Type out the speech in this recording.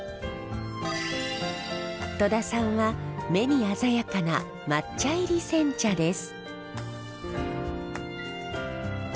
戸田さんは目に鮮やかな抹茶入り煎茶です。